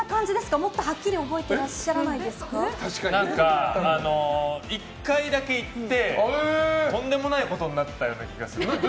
もっとはっきり何か、１回だけ行ってとんでもないことになったような気がする。